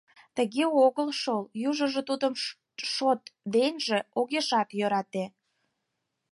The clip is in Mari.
Тыге огыл шол, южыжо тудым шот денже огешат йӧрате.